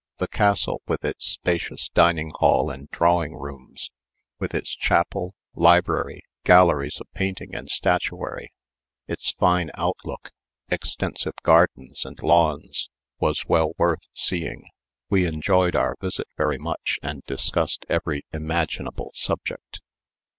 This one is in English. The castle with its spacious dining hall and drawing rooms, with its chapel, library, galleries of paintings and statuary, its fine outlook, extensive gardens and lawns was well worth seeing. We enjoyed our visit very much and discussed every imaginable subject.